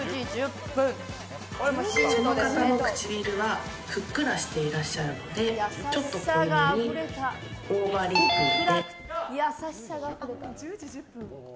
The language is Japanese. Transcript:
その方の唇はふっくらしていらっしゃるのでちょっとオーバーリップで。